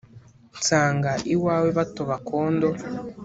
Nsanga iwawe batoba akondo